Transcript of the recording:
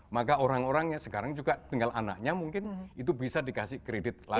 maka orang orangnya sekarang juga tinggal anaknya mungkin itu bisa dikasih kredit lagi